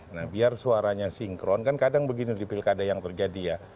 nah biar suaranya sinkron kan kadang begini di pilkada yang terjadi ya